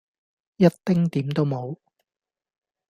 一丁點都無